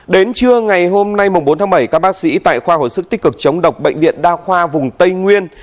đến trưa ngày hôm nay bốn tháng bảy các bác sĩ tại khoa hồi sức tích cực chống độc bệnh viện đa khoa vùng tây nguyên